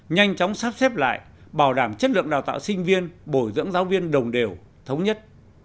nhanh chóng sắp xếp lại bảo đảm chất lượng đào tạo sinh viên bồi dưỡng giáo viên đồng đều thống nhất